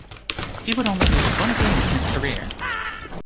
He would only lose one game in his career.